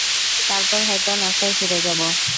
তারপর হয়তো নাসায় ফিরে যাব।